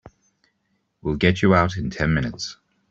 We'll get you out in ten minutes.